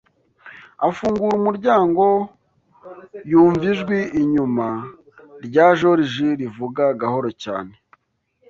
afungura umuryango yumva ijwi inyuma rya Joriji rivuga gahoro cyane